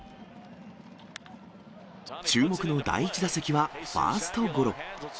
注目の第１打席はファーストゴロ。